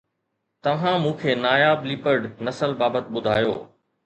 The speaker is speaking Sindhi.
توهان مون کي ناياب ليپرڊ نسل بابت ٻڌايو